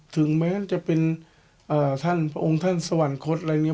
ถึงแม้จะเป็นพระองค์ท่านสวรรคตอะไรอย่างนี้